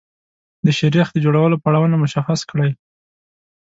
د شیریخ د جوړولو پړاوونه مشخص کړئ.